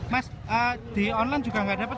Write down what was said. mas di online juga nggak dapat